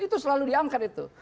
itu selalu diangkat itu